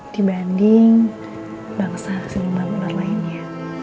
dibanding bangsa seluruh dunia lainnya